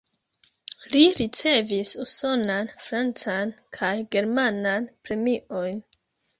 Li ricevis usonan, francan kaj germanan premiojn.